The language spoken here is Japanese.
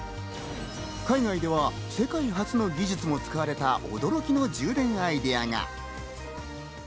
海外では世界初の技術も使われた驚きの充電アイデアが。